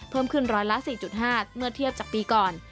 เพิ่มขึ้นร้อยละ๔๕เมื่อเทียบจากปีก่อน